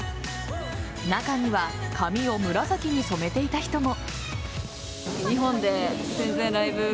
中には髪を紫に染めていた人も。